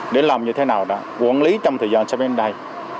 để làm như thế nào quản lý trong thời gian sắp đến đây